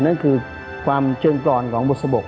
นั่นคือการเชิงกรรมของบุโสะบก